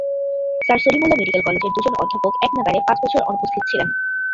Sir Salimullah medical কলেজের দুজন অধ্যাপক একনাগাড়ে পাঁচ বছর অনুপস্থিত ছিলেন।